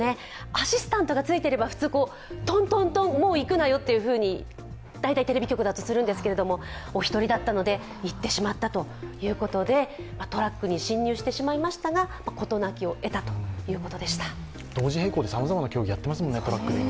アシスタントがついていれば普通、トントン、もう行くなよとテレビ局だとするんですけれども、お一人だったので行ってしまったということでトラックに侵入してしまいましたが同時並行でさまざまな競技をやっていますもんね。